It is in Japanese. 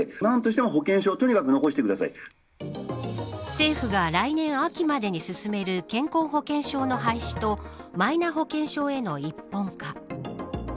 政府が来年、秋までに進める健康保険証の廃止とマイナ保険証への一本化。